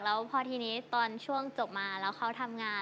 แล้วพอทีนี้ตอนช่วงจบมาแล้วเขาทำงาน